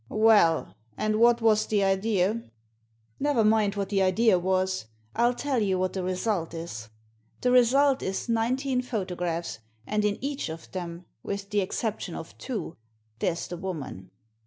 Well, and what was the idea ?"Never mind what the idea was, I'll tell you what the result is. The result is nineteen photographs, and in each of them, with the exception of two, there's the woman."